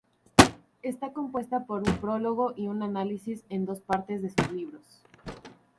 Está compuesta por un prólogo y un análisis en dos partes de sus libros.